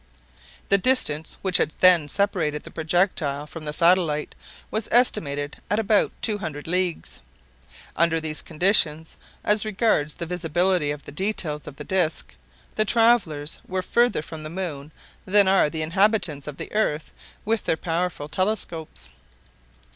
The distance which had then separated the projectile from the satellite was estimated at about two hundred leagues. Under these conditions, as regards the visibility of the details of the disc, the travelers were farther from the moon than are the inhabitants of earth with their powerful telescopes.